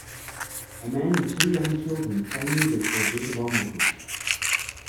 A man and two young children play music for a group of onlookers.